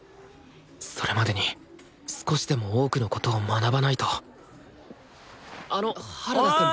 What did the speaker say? それまでに少しでも多くのことを学ばないとあの原田せんぱ。